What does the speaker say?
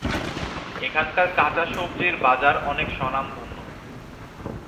এখানকার কাঁচা সবজির বাজার অনেক স্বনামধন্য।